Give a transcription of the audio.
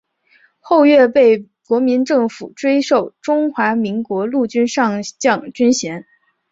后岳被国民政府追授中华民国陆军上将军衔。